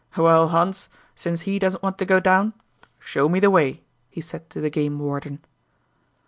"Well, Hans, since he doesn't want to go down, show me the way," he said to the game warden.